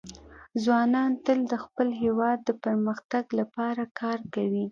ځوانان تل د خپل هېواد د پرمختګ لپاره کار کوي.